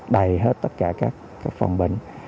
đầy hết tất cả các phòng bệnh